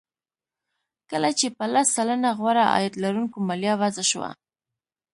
کله چې په لس سلنه غوره عاید لرونکو مالیه وضع شوه